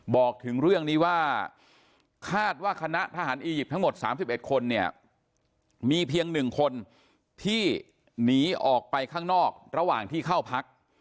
บอกถึงเรื่องนี้ว่าคาดว่าคณะทหารอียิปต์ทั้งหมด๓๑คนเนี่ยมีเพียง๑คนที่หนีออกไปข้างนอกระหว่างที่เข้าพัก